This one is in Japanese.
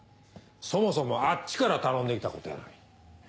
そもそもあっちから頼んで来たことやのに。